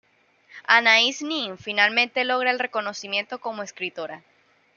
Anaïs Nin finalmente logra el reconocimiento como escritora.